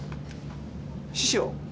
師匠。